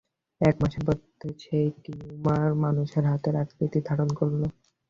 একমাসের মধ্যে সেই টিউমার মানুষের হাতের আকৃতি ধারণ করল।